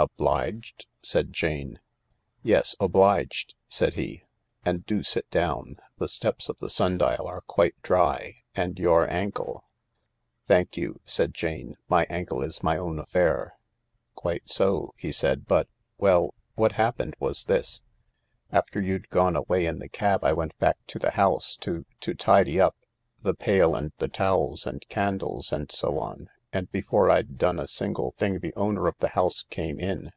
"Obliged!" said Jane. " Yes— obliged," said he ; "and do sit down. The steps of the sundial are quite dry, and your ankle ..."" Thank you," said Jane ;" my ankle is my own affair." "Quite so," he said, "but... Well— what hap pened was this. After you'd gone away in the cab I went back to the house to— to tidy up— the pail and the towels and candles and so on, and before I'd done a single thing the owner of the house came in.